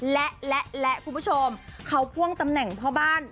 และและคุณผู้ชมเขาพ่วงตำแหน่งพ่อบ้าน